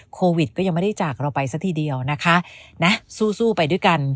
โควิดก็ยังไม่ได้จากเราไปซะทีเดียวนะคะนะสู้สู้ไปด้วยกัน